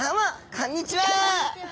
こんにちは。